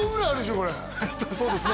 これそうですね